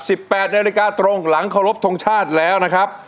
แปดนาฬิกาตรงหลังเคารพทงชาติแล้วนะครับ